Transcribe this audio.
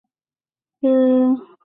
他需要更广阔的空间。